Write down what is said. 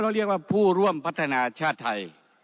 เรียกว่าผู้ร่วมพัฒนาชาติไทย